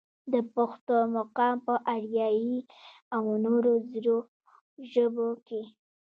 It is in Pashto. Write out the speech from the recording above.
د پښتو مقام پۀ اريائي او نورو زړو ژبو کښې